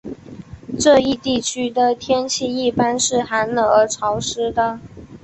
这一地区的天气一般是寒冷而潮湿的。